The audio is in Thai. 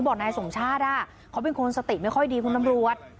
บอกนายสมชาติเขาเป็นคนสติไม่ค่อยดีคุณตำรวจ